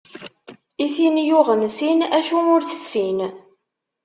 I tin yuɣen sin, acu ur tessin?